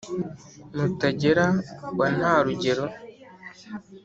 Mutagera wa Nta-rugero